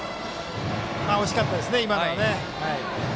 惜しかったですね、今のは。